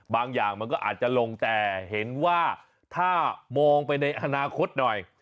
บางอย่างมันก็อาจจะลงแต่เห็นว่าถ้ามองไปในอนาคตหน่อย